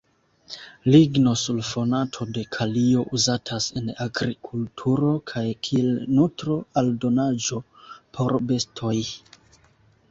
Ligno-sulfonato de kalio uzatas en agrikulturo kaj kiel nutro-aldonaĵo por bestoj.